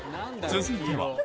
続いては。